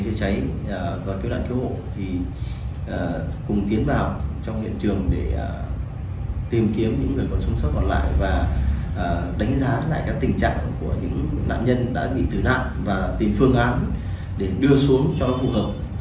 chúng tôi đã tiến vào trong hiện trường để tìm kiếm những người còn sống sớt còn lại và đánh giá lại các tình trạng của những nạn nhân đã bị tử nạn và tìm phương án để đưa xuống cho khu hợp